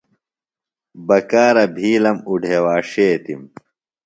بکارہ بِھیلم اُڈھیواݜیتِم۔